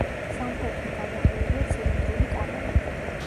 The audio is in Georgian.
სამკვეთლო გადახურულია ცილინდრული კამარით.